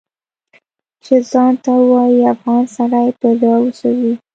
چې ځان ته ووايي افغان سړی په زړه وسوځي